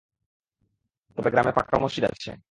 তবে গ্রামে পাকা মসজিদ আছে।